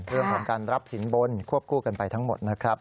เรื่องของการรับสินบนควบคู่กันไปทั้งหมดนะครับ